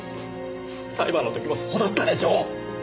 裁判の時もそうだったでしょ？